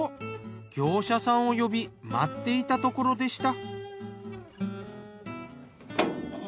業者さんを呼び待っていたところでした。